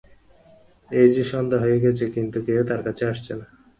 এই যে সন্ধ্যা হয়ে গেছে, কিন্তু কেউ তার কাছে আসছে না।